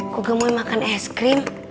ko gemoy makan es krim